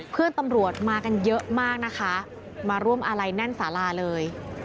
เพื่อนตำรวจมากันเยอะมากนะคะมาร่วมอาลัยแน่นสาราเลย